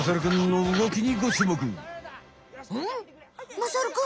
まさるくん